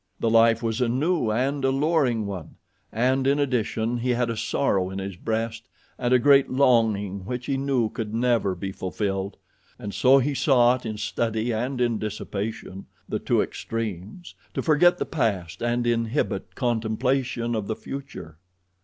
The life was a new and alluring one, and in addition he had a sorrow in his breast and a great longing which he knew could never be fulfilled, and so he sought in study and in dissipation—the two extremes—to forget the past and inhibit contemplation of the future.